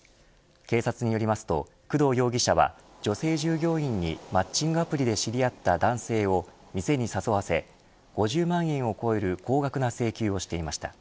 警察によりますと、工藤容疑者は女性従業員にマッチングアプリで知り合った男性を店に誘わせ５０万円を超える高額な請求をしていました。